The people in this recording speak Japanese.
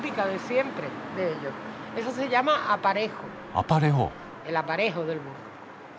「アパレホ」。